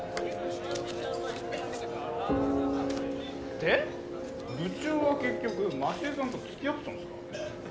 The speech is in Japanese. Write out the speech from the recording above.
で部長は結局街絵さんと付き合ってたんですか？